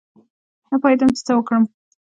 نه پوهېدم چې څه وکړم.